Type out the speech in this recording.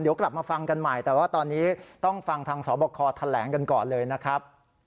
เดี๋ยวกลับมาฟังกันใหม่แต่ว่าตอนนี้ต้องฟังทางสบคแถลงกันก่อนเลยนะครับ